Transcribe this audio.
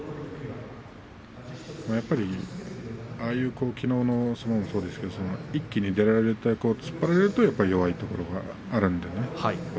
やっぱり、ああいう、きのうの相撲もそうでしたが一気に出られると突っ張られると弱いところがあるんですね遠藤は。